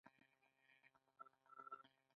ملکیت د عمومي ادارې په واک کې ورکول کیږي.